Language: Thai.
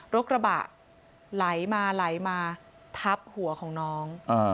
กระบะไหลมาไหลมาทับหัวของน้อง